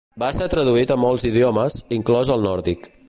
Va ser traduït a molts idiomes, inclòs el nòrdic.